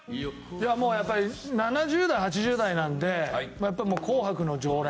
もうやっぱり７０代８０代なんでやっぱり『紅白』の常連。